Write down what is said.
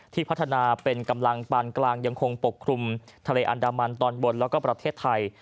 พัฒนาเป็นกำลังปานกลางยังคงปกคลุมทะเลอันดามันตอนบนแล้วก็ประเทศไทย